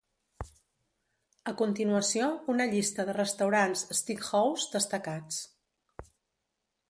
A continuació, una llista de restaurants "steakhouse" destacats.